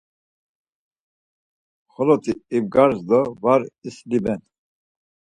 Xoloti ibgars do var isliben.